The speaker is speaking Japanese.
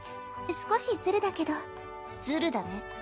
少しズルだけどズルだね。